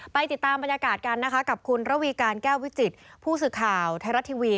ไปติดตามบรรยากาศกันนะคะกับคุณระวีการแก้ววิจิตผู้สื่อข่าวไทยรัฐทีวี